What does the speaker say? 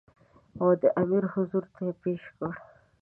او د امیر حضور ته یې پېش کړ.